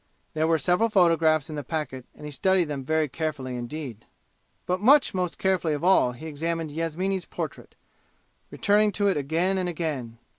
There were several photographs in the packet, and he studied them very carefully indeed. But much most carefully of all he examined Yasmini's portrait, returning to it again and again.